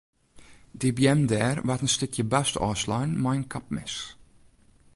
Dy beammen dêr waard in stikje bast ôfslein mei in kapmes.